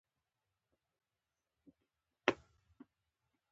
مصنوعي ځیرکتیا د روغ ژوند ملاتړ کوي.